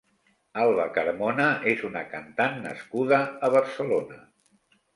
Alba Carmona és una cantant nascuda a Barcelona.